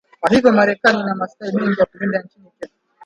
kwa hivyo Marekani ina maslahi mengi ya kulinda nchini Kenya